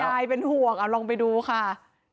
ยายเป็นห่วงเอาลองไปดูค่ะ